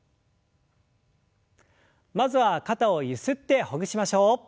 まずは肩をゆすってほぐしましょう。